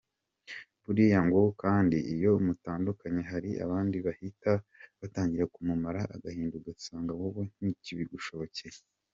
Buriya ngo kandi iyo mutandukanye hari abandi bahita batangira kumumara agahinda ugasanga wowe ntibikigushobokeye.